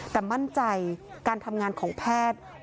แต่มั่นใจการทำงานของแพทย์